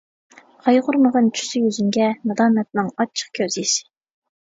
قايغۇرمىغىن چۈشسە يۈزۈڭگە، نادامەتنىڭ ئاچچىق كۆز يېشى.